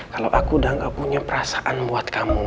kalau aku udah gak punya perasaan buat kamu